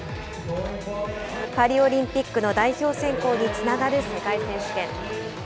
パリオリンピックの代表選考につながる世界選手権。